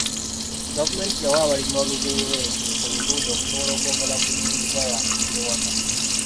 Gavumenti yawa abalimi olulyo lw'ente olulungi okusobola okwongera ku nnyingiza yaabwe ey'ewaka.